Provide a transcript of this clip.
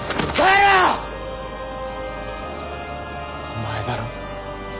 お前だろ？